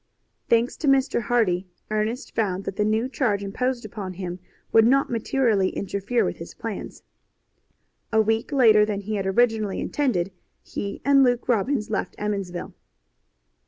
Thanks to Mr. Hardy, Ernest found that the new charge imposed upon him would not materially interfere with his plans. A week later than he had originally intended he and Luke Robbins left Emmonsville.